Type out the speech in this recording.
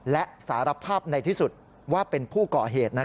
และสารภาพในที่สุดว่าเป็นผู้ก่อเหตุ